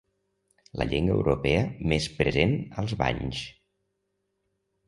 La llengua europea més present als banys.